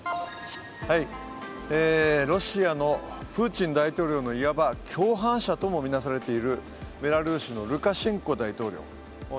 ロシアのプーチン大統領のいわば共犯者ともみなされているベラルーシのルカシェンコ大統領。